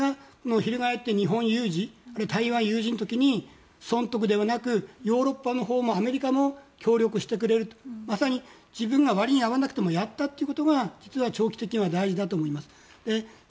翻って、日本有事、台湾有事の時損得ではなくヨーロッパもアメリカも協力してくれるまさに自分が割に合わなくてもやったということが実は長期的には大事だと思います。